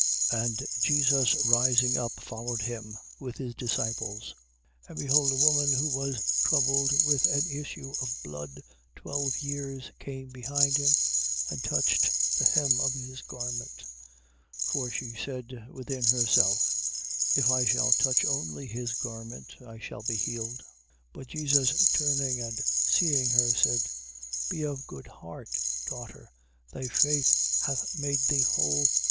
9:19. And Jesus rising up followed him, with his disciples. 9:20. And behold a woman who was troubled with an issue of blood twelve years, came behind him, and touched the hem of his garment. 9:21. For she said within herself: If I shall touch only his garment, I shall be healed. 9:22. But Jesus turning and seeing her, said: Be of good heart, daughter, thy faith hath made thee whole.